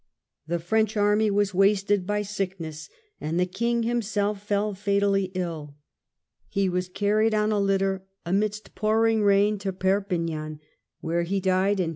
The French army was wasted by sick ness and the King himself fell fatally ill. He was carried on a litter amidst pouring rain to Perpignan, where he FRANCE in Xlii Century ft.